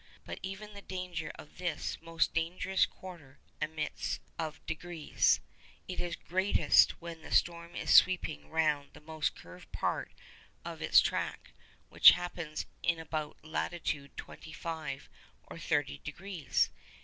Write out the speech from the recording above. But even the danger of this most dangerous quarter admits of degrees. It is greatest where the storm is sweeping round the most curved part of its track, which happens in about latitude twenty five or thirty degrees.